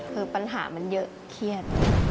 คือปัญหามันเยอะเครียด